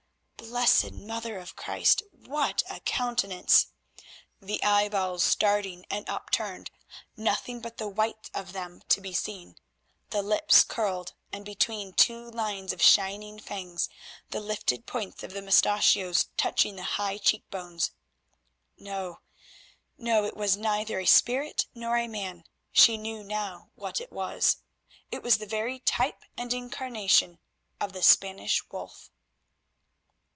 Blessed Mother of Christ! what a countenance! The eyeballs starting and upturned, nothing but the white of them to be seen; the lips curled, and, between, two lines of shining fangs; the lifted points of the mustachios touching the high cheekbones. No—no, it was neither a spirit nor a man, she knew now what it was; it was the very type and incarnation of the Spanish Wolf.